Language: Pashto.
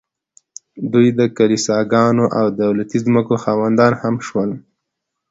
دوی د کلیساګانو او دولتي ځمکو خاوندان هم شول